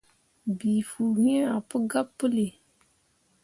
Bii fuu iŋ ah pu gabe puli.